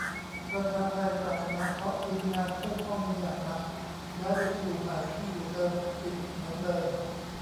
ประชาไทกลับมาเพราะทีมงานกู้ข้อมูลอย่างหนัก ย้ายไปที่อยู่ใหม่ ที่อยู่เดิมปิดเหมือนเดิม